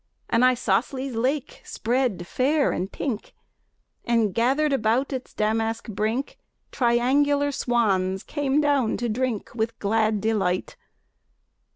An isosceles lake spread fair and pink, And, gathered about its damask brink, Triangular swans came down to drink With glad delight.